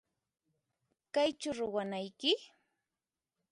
Kaychu ruwanayki?